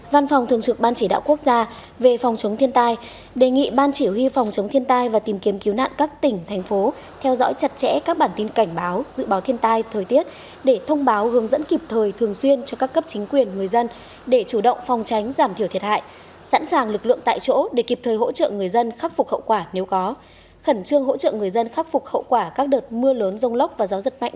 văn phòng thường trực ban chỉ đạo quốc gia về phòng chống thiên tai vừa có văn bản gửi ban chỉ huy phòng chống thiên tai và tìm kiếm cứu nạn các tỉnh thành phố theo dõi chặt chẽ các bản tin cảnh báo dự báo thiên tai thời tiết để thông báo hướng dẫn kịp thời thường xuyên cho các cấp chính quyền người dân để chủ động phòng tránh giảm thiểu thiệt hại sẵn sàng lực lượng tại chỗ để kịp thời hỗ trợ người dân khắc phục hậu quả nếu có khẩn trương hỗ trợ người dân khắc phục hậu quả các đợt mưa lớn rông lốc và gió giật mạnh